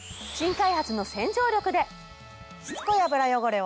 新開発の洗浄力で！